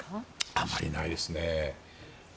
あまりないですね。